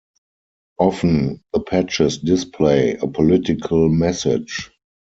Often, the patches display a political message.